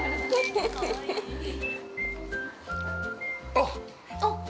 ◆あっ！